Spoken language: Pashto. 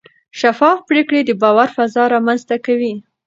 شفاف پریکړې د باور فضا رامنځته کوي.